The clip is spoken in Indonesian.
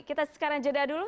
kita sekarang jeda dulu